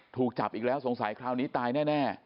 ถูกจับอีกแล้วสงสัยคราวนี้ตายแน่